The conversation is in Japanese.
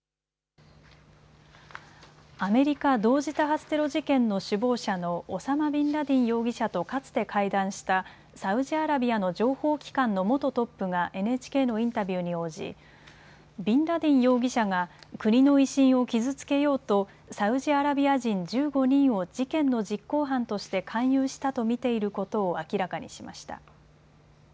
アメリカ同時多発テロ事件の首謀者のオサマ・ビンラディン容疑者とかつて会談したサウジアラビアの情報機関の元トップがＮＨＫのインタビューに応じビンラディン容疑者が国の威信を傷つけようとサウジアラビア人１５人を事件の実行犯として勧誘したと見ていることを明らかにしました。